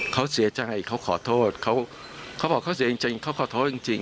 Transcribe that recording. เขาเสียใจเขาขอโทษเขาเขาบอกเขาเสียจริงเขาขอโทษจริง